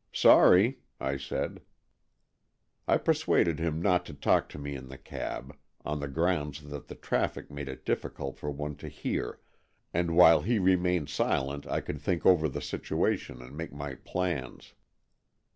'' Sorry," I said. I persuaded him not to talk to me in the cab, on the grounds that the traffic made it difficult for one to hear, and while he remained silent I could think over the situation and make my plans.